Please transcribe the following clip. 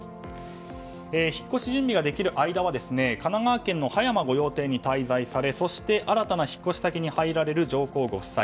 引っ越し準備ができるまでの間は神奈川県の葉山御用邸に滞在されそして新たな引っ越し先に入られる上皇ご夫妻。